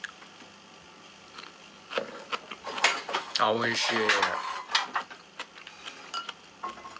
おいしい。